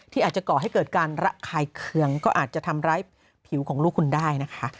ที่อาจจะก่อให้เกิดการระคายเคืองก็อาจจะทำร้ายผิวของลูกคุณได้นะคะ